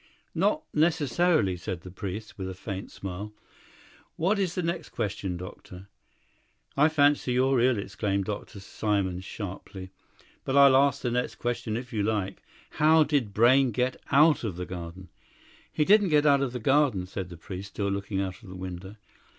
"Not necessarily," said the priest, with a faint smile. "What is the nest question, doctor?" "I fancy you're ill," exclaimed Dr. Simon sharply; "but I'll ask the next question if you like. How did Brayne get out of the garden?" "He didn't get out of the garden," said the priest, still looking out of the window.